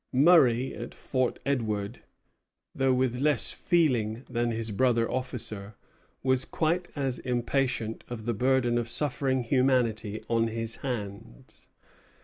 Murray, at Fort Edward, though with less feeling than his brother officer, was quite as impatient of the burden of suffering humanity on his hands.